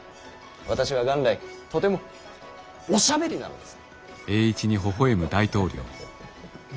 私は元来とてもおしゃべりなのです。